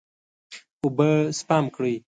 اوبه سپم کړئ.